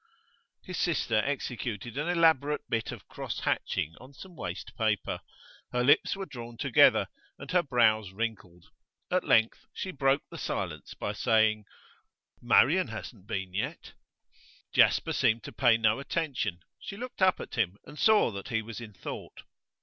His sister executed an elaborate bit of cross hatching on some waste paper. Her lips were drawn together, and her brows wrinkled. At length she broke the silence by saying: 'Marian hasn't been yet.' Jasper seemed to pay no attention; she looked up at him, and saw that he was in thought.